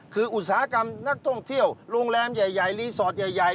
คืออุตสาหกรรมนักท่องเที่ยวโรงแรมใหญ่รีสอร์ทใหญ่